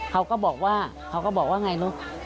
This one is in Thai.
เขาก็บอกว่าเขาก็บอกว่าไงเนอะ